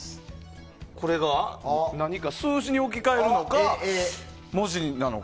これが数字に置き換えるのか文字なのか。